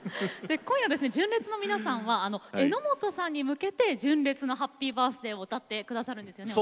今夜純烈の皆さんは榎本さんに向けて「純烈のハッピーバースデー」を歌って下さるんですよね。